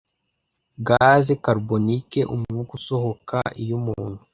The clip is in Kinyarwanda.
gaze karubonike umwuka usosoka iyo umuntu